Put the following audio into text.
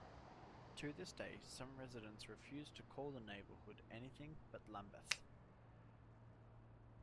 To this day, some residents refuse to call the neighbourhood anything but Lambeth.